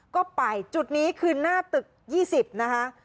ก็ไปจุดนี้คือหน้าตึก๒๐นะคะ